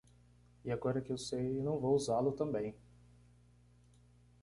E agora que eu sei, não vou usá-lo também.